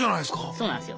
そうなんですよ。